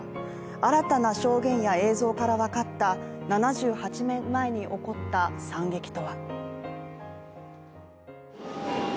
新たな証言や映像から分かった７８年前に起こった惨劇とは。